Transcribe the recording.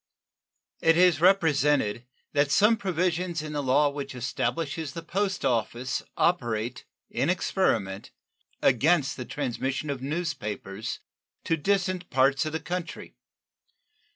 It is represented that some provisions in the law which establishes the post office operate, in experiment, against the transmission of news papers to distant parts of the country.